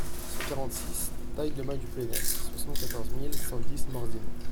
cent quarante-six taille de Mas du Pleney, soixante-quatorze mille cent dix Morzine